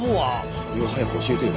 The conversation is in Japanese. それを早く教えてよ。